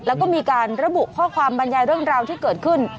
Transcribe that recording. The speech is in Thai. แล้วก็มีการระบุข้อความบรรยายเรื่องราวที่เกิดขึ้น